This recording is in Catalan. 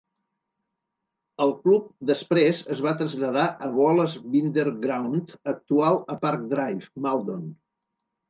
El club després es va traslladar al Wallace Binder Ground actual a Park Drive, Maldon.